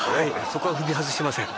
そこは踏み外してません